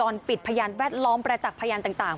ปิดพยานแวดล้อมประจักษ์พยานต่าง